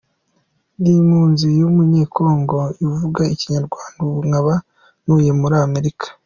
Nd’impunzi y’umunye congo ivuga ikinyarwanda ubu nkaba ntuye muri America.